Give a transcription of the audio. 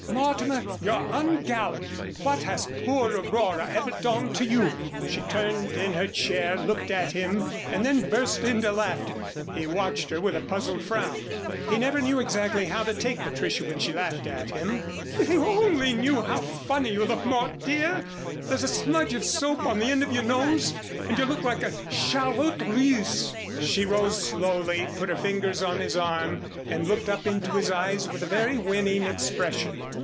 "Mortimer, you're ungallant! What has poor Aurora ever done to you?" She turned in her chair, looked at him, and then burst into laughter. He watched her with a puzzled frown. He never knew exactly how to take Patricia when she laughed at him. "If you only knew how funny you look, Mort, dear. There's a smudge of soap on the end of your nose and you look like a charlotte russe." She rose slowly, put her fingers on his arm, and looked up into his eyes with a very winning expression.